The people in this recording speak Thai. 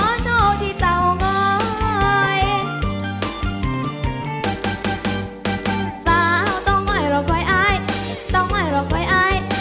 ขอโชคที่เตาไงสาวต้องไว้หลบไว้ไอต้องไว้หลบไว้ไอ